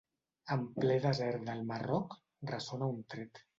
En ple desert del Marroc, ressona un tret.